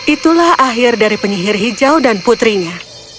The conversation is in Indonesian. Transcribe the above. itulah akhir dari penyihir hijau dan putrinya